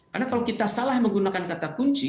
karena kalau kita salah menggunakan kata kunci